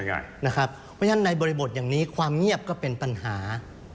เพราะฉะนั้นในบริบทอย่างนี้ความเงียบก็เป็นปัญหา